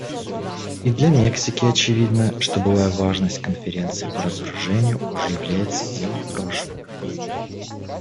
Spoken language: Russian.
И для Мексики очевидно, что былая важность Конференции по разоружению уже является делом прошлого.